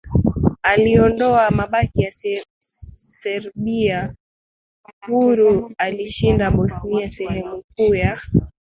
aliondoa mabaki ya Serbia huru alishinda Bosnia sehemu kuu ya